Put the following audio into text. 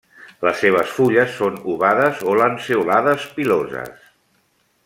Les seves fulles són ovades o lanceolades, piloses.